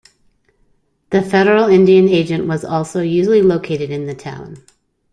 The federal Indian Agent was also usually located in the town.